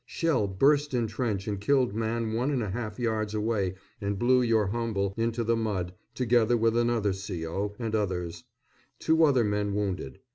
Shell burst in trench and killed man one and a half yards away and blew your humble into the mud, together with another C.O. and others. Two other men wounded.